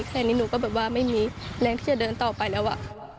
แค่นี้หนูก็แบบว่าไม่มีแรงที่จะเดินต่อไปแล้วอะ